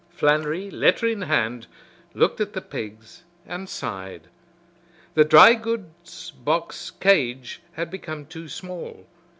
Flannery, letter in hand, looked at the pigs and sighed. The dry goods box cage had become too small.